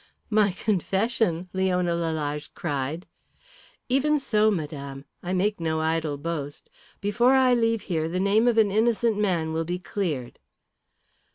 "My confession!" Leona Lalage cried. "Even so, Madame. I make no idle boast. Before I leave here the name of an innocent man will be cleared."